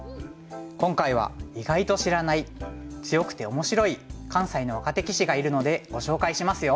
今回は意外と知らない強くて面白い関西の若手棋士がいるのでご紹介しますよ。